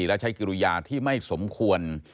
และใช้กิริยาที่ไม่สมควร